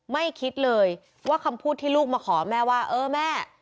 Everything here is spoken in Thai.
ไม่คิดเลยว่าคำพูดที่ลูกมาขอแม่ว่าเออแม่